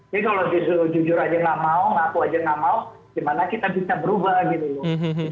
jadi kalau jujur aja gak mau ngaku aja gak mau gimana kita bisa berubah gitu loh